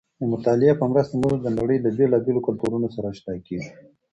د مطالعې په مرسته موږ د نړۍ له بېلابېلو کلتورونو سره اشنا کېږو.